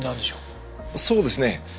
そうですね